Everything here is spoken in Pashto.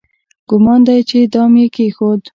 ګومان دی چې دام یې کېښود.